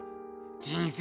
人生